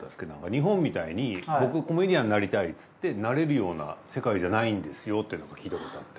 日本みたいに僕コメディアンになりたいっつってなれるような世界じゃないんですよってなんか聞いたことあって。